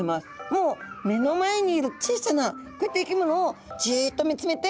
もう目の前にいる小さなこういった生き物をジッと見つめていた！